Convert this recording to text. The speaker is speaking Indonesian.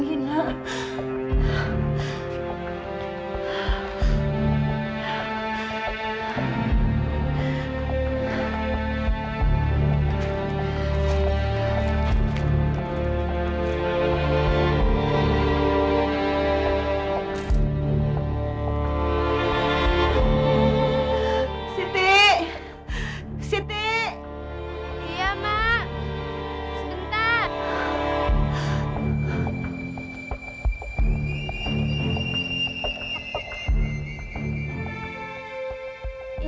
kuberikan pada ablamu ini